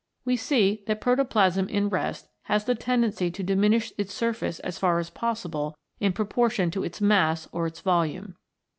We see that protoplasm in rest has the tendency to diminish its surface as far as possible in proportion to its mass or its volume.